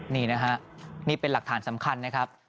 นี่นะฮะนี่เป็นหลักฐานสำคัญนะครับ